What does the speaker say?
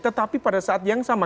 tetapi pada saat yang sama